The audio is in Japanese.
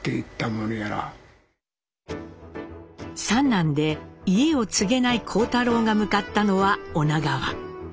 三男で家を継げない幸太郎が向かったのは女川。